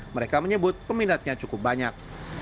mereka menyebut peminatnya cukup banyak